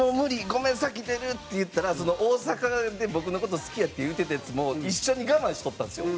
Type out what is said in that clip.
ごめん先出る」って言ったら大阪で僕の事好きやって言うてたヤツも一緒に我慢しとったんですよ。